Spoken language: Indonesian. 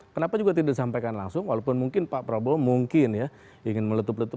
kenapa juga tidak disampaikan langsung walaupun mungkin pak prabowo mungkin ya ingin meletup letup